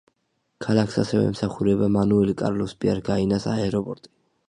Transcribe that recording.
ქალაქს ასევე ემსახურება მანუელ კარლოს პიარ გაიანას აეროპორტი.